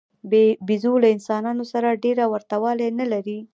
بیزو له انسانانو سره ډېره ورته والی نه لري.